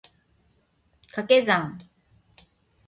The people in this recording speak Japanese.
掛け算